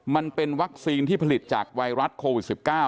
มันเป็นวัคซีนที่ผลิตจากไวรัสโควิด๑๙